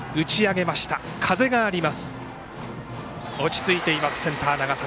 落ち着いていますセンターの長澤。